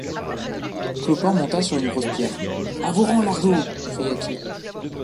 Clopin monta sur une grosse pierre. — À vos rangs, l’Argot! cria-t-il.